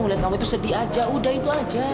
melihat kamu itu sedih aja udah itu aja